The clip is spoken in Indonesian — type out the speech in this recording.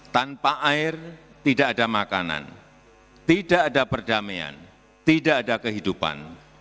tanpa air tidak ada makanan tidak ada perdamaian tidak ada kehidupan